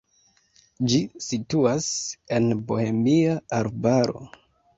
Ĝi situas en Bohemia arbaro.